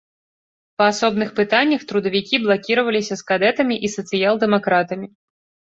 Па асобных пытаннях трудавікі блакіраваліся з кадэтамі і сацыял-дэмакратамі.